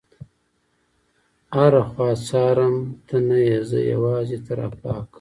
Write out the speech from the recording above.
هره خوا څارم ته نه يې، زه یوازي تر افلاکه